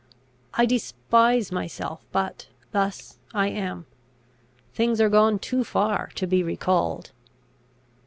I despise myself, but thus I am; things are gone too far to be recalled.